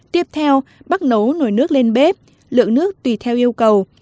tiếp theo bắt nấu nồi nước lên bếp lượng nước tùy theo yêu cầu